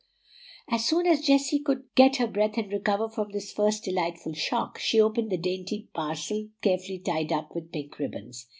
As soon as Jessie could get her breath and recover from this first delightful shock, she opened the dainty parcel carefully tied up with pink ribbons.